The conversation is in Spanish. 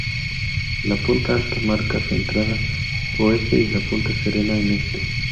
La punta Alta marca su entrada oeste y la punta Serena en este.